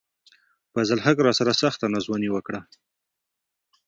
فضل الحق راسره سخته ناځواني راسره وڪړه